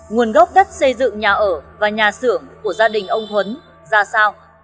nguồn gốc đất xây dựng nhà ở và nhà xưởng của gia đình ông thuấn ra sao